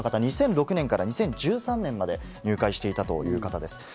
元信者の方は２００６年から２０１３年まで入会していたということです。